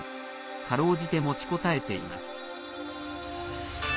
かろうじて持ちこたえています。